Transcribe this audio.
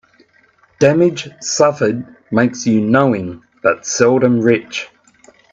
Damage suffered makes you knowing, but seldom rich.